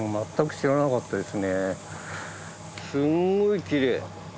すんごいきれい。